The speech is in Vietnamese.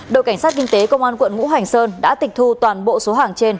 đội cảnh sát kinh tế công an quận ngũ hành sơn đã tịch thu toàn bộ số hàng trên